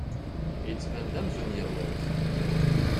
Yettban-d amzun yelluẓ.